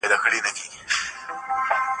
له غریبانو سره مرسته نه هېریږي.